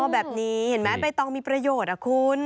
แบบนี้เห็นไหมใบตองมีประโยชน์อ่ะคุณ